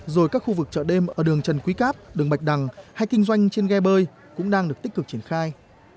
rồi các khu vực chợ đêm ở đường trần quý cáp đường bạch đằng hay kinh doanh trên ghe bơi cũng đang được tích cực triển khai